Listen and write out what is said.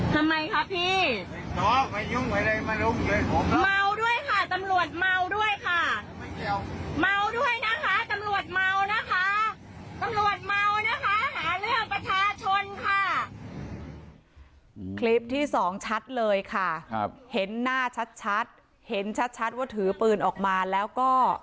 คลิปที่สองชัดเลยค่ะเห็นหน้าชัดชัดเห็นชัดชัดว่าถือปืนออกมาแล้วก็